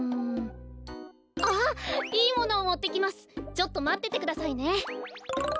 ちょっとまっててくださいね。